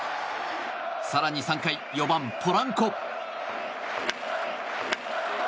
更に３回４番、ポランコ。